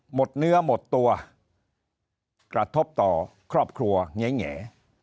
หมดเนื้อหมดตัวกระทบต่อครอบครัวแง่